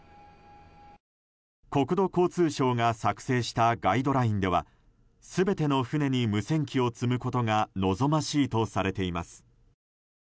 国土交通省が作成したガイドラインでは全ての船に無線機を積むことが望ましいとされています。